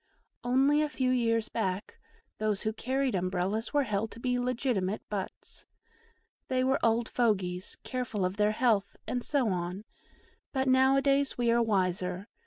Only a few years back those who carried Umbrellas were held to be legitimate butts. They were old fogies, careful of their health, and so on; but now a days we are wiser.